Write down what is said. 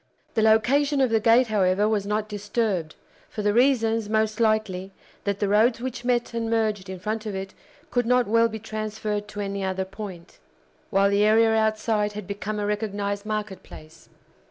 The location of the gate, however, was not disturbed, for the reasons, most likely, that the roads which met and merged in front of it could not well be transferred to any other point, while the area outside had become a recognized market place.